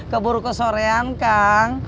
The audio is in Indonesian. keburu ke sorean kang